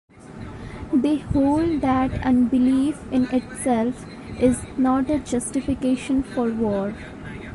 They hold that unbelief in itself is not a justification for war.